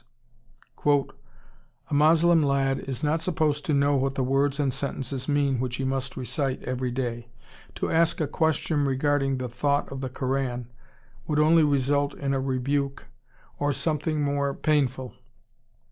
Zwemer says: "A Moslem lad is not supposed to know what the words and sentences mean which he must recite every day; to ask a question regarding the thought of the Koran would only result in a rebuke or something more painful.